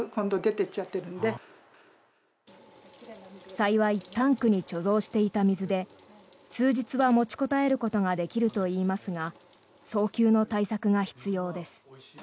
幸いタンクに貯蔵していた水で数日は持ちこたえることができるといいますが早急の対策が必要です。